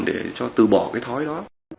để cho từ bỏ cái thói đó